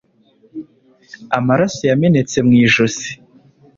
Amaraso yamenetse mu ijosi.